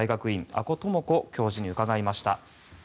阿古智子教授に伺いました。